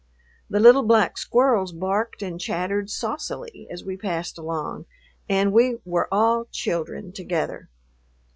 The little black squirrels barked and chattered saucily as we passed along, and we were all children together.